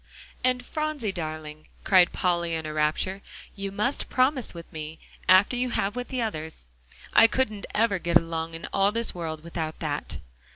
"And, Phronsie darling," cried Polly in a rapture, "you must promise with me, after you have with the others. I couldn't ever get along in all this world without that."